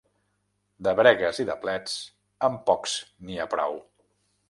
De bregues i de plets, amb pocs n'hi ha prou.